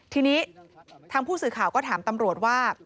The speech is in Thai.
ทีนี้ทางผู้สื่อข่าวก็ถามตำรวจว่า